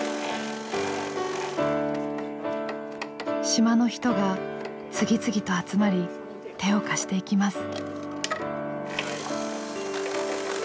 島の人が次々と集まり手を貸していきます。